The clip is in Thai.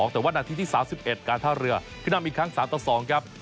แต่ว่านาทีที่๓๑การท่าเรือขึ้นนำอีกครั้ง๓ต่อ๒ครับ